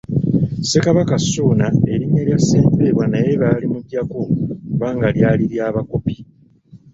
Ssekabaka Ssuuna erinna lya Ssempeebwa naye baalimuggyako kubanga lyali lya bakopi.